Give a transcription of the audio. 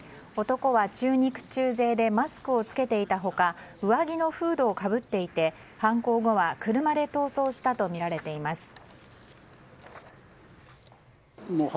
男は中肉中背でマスクを着けていた他上着のフードをかぶっていて犯行後は車で逃走したとみられています。